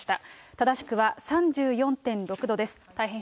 正しくは３４．６度です。